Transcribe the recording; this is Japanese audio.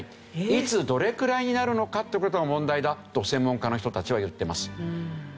いつどれくらいになるのかっていう事が問題だと専門家の人たちは言ってます。